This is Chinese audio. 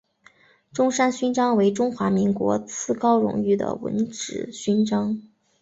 中山勋章为中华民国次高荣誉的文职勋章。